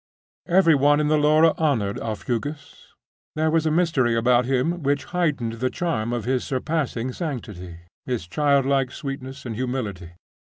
Every one in the Laura honoured Aufugus. There was a mystery about him which heightened the charm of his surpassing sanctity, his childlike sweetness and humility.